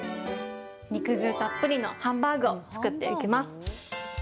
肉汁たっぷりのハンバーグを作っていきます。